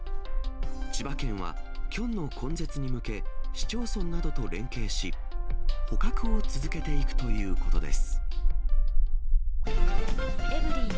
千葉県は、キョンの根絶に向け、市町村などと連携し、捕獲を続けていくということです。